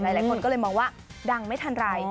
หลายคนก็เลยมองว่าดังไม่ทันไร